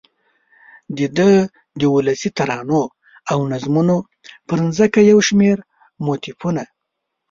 دده د ولسي ترانو او نظمونو پر ځمکه یو شمېر موتیفونه